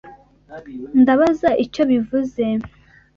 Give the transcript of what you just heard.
Ndabaza icyo bivuze.